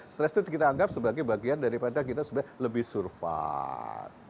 stres itu kita anggap sebagai bagian daripada kita lebih surfat